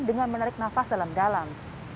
dengan menarik nafas dalam dalam